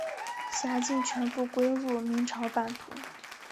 辖境全部归入明朝版图。